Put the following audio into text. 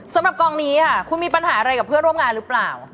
สำหรับกองนี้ค่ะคุณมีปัญหาอะไรกับเพื่อนร่วมงานหรือเปล่า